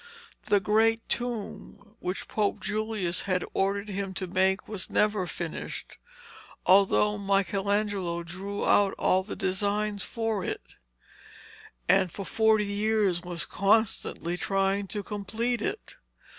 The great tomb which Pope Julius had ordered him to make was never finished, although Michelangelo drew out all the designs for it, and for forty years was constantly trying to complete it.